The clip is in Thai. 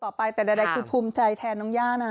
ต่อไปแต่ใดคือภูมิใจแทนน้องย่านะ